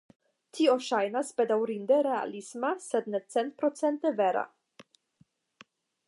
Tio ŝajnas bedaŭrinde realisma, sed ne centprocente vera.